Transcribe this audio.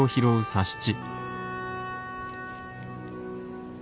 佐七！